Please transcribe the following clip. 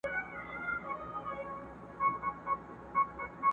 که یې سیلیو چڼچڼۍ وهلي٫